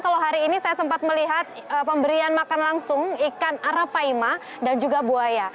kalau hari ini saya sempat melihat pemberian makan langsung ikan arapaima dan juga buaya